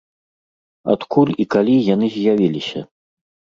Адкуль і калі яны з'явіліся?